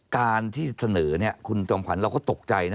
การที่เสนอคุณจอมขวัญเราก็ตกใจนะ